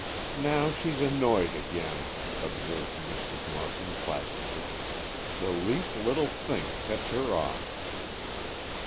"Now she's annoyed again," observed Mrs. Markham placidly. "The least little thing sets her off."